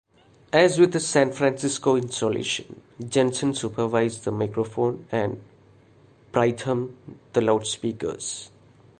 As with the San Francisco installation, Jensen supervised the microphone and Pridham the loudspeakers.